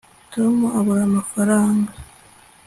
tom abura amafaranga